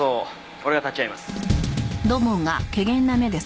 俺が立ち会います。